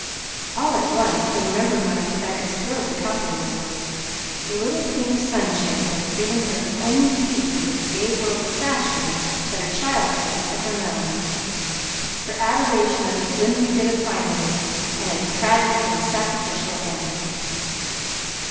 All at once he remembered one of Rebecca's early confidences, the little pink sunshade that had given her the only peep into the gay world of fashion that her childhood had ever known; her adoration of the flimsy bit of finery and its tragic and sacrificial end.